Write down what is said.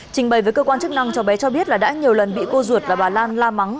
trình bày với cơ quan chức năng cháu bé cho biết là đã nhiều lần bị cô ruột và bà lan la mắng